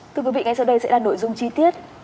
thưa quý vị ngay sau đây sẽ là nội dung chi tiết